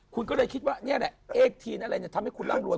คุณก็เลยคิดว่านี่แหละเอกทีนอะไรเนี่ยทำให้คุณร่ำรวย